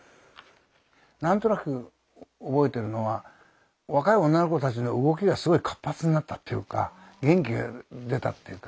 何となく覚えてるのは若い女の子たちの動きがすごい活発になったっていうか元気が出たっていうか。